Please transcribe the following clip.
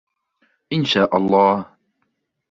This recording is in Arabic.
إن شاء الله.